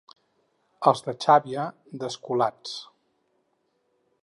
Els de Xàbia, desculats.